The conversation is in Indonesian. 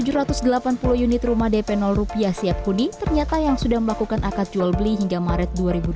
ada tujuh ratus delapan puluh unit rumah dp rupiah siap kuning ternyata yang sudah melakukan akad jual beli hingga maret dua ribu dua puluh